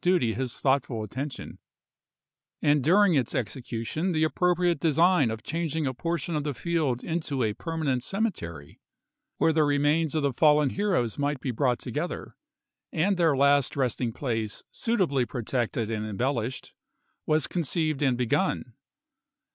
duty his thoughtful attention ; and during its exe cution the appropriate design of changing a portion of the field into a permanent cemetery, where the remains of the fallen heroes might be brought together, and their last resting place suitably pro tected and embellished, was conceived and begun.